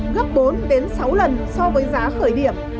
gấp bốn sáu lần so với giá khởi điểm